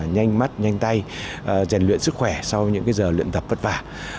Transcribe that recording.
nhanh mắt nhanh tay giàn luyện sức khỏe sau những giờ luyện tập vất vả